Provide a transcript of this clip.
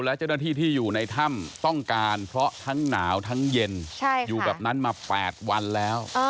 และเจ้าหน้าที่ที่อยู่ในถ้ำต้องการเพราะทั้งหนาวทั้งเย็นอยู่แบบนั้นมา๘วันแล้ว